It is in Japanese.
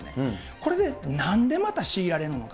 これ、なんでまた強いられるのか。